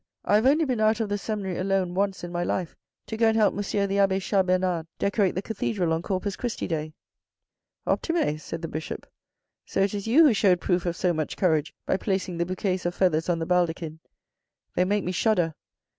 I have only been out of the seminary alone once in my life to go and help M. the abbe Chas Bernard decorate the cathedral on Corpus Christi day. " Optime," said the Bishop. " So, it is you who showed proof of so much courage by placing the bouquets of feathers on the baldachin. They make me shudder.